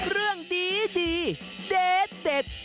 เรื่องดีเด็ด